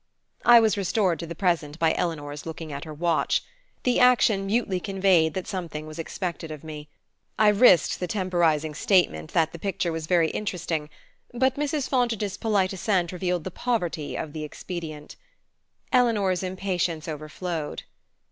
I was restored to the present by Eleanor's looking at her watch. The action mutely conveyed that something was expected of me. I risked the temporizing statement that the picture was very interesting; but Mrs. Fontage's polite assent revealed the poverty of the expedient. Eleanor's impatience overflowed.